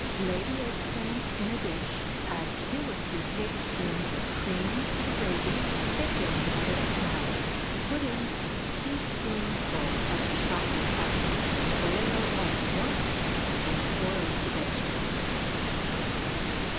Lay the egg plants in a dish, add two or three tablespoonfuls of cream to the gravy, thicken with a little flour, put in a teaspoonful of chopped parsley, boil up once, and pour over the vegetable.